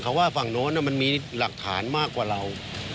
เขาว่าฝั่งโน้นมันมีหลักฐานมากกว่าเรา